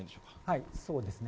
はい、そうですね。